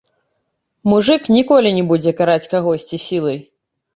Мужык, ніколі не будзе караць кагосьці сілай.